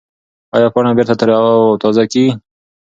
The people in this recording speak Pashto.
ایا پاڼه بېرته تر او تازه کېږي؟